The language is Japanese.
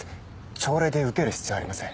朝礼でウケる必要ありません。